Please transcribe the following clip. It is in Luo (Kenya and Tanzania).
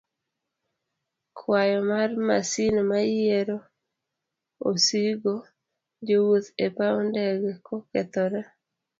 kwayo mar masin mayiero osigo, jowuoth e paw ndege kokethore.